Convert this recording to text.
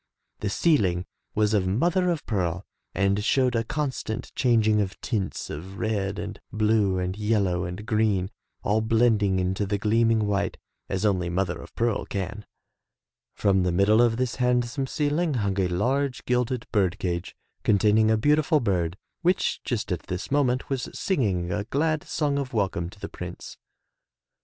The ceiling was of mother of pearl and showed a constant chang ing of tints of red and blue and yellow and green, all blending into the gleaming white, as only mother of pearl can. From the middle of this handsome ceiling hung a large gilded bird cage containing a beautiful bird, which just at this moment was singing a glad song of welcome to the Prince.